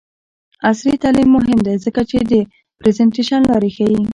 عصري تعلیم مهم دی ځکه چې د پریزنټیشن لارې ښيي.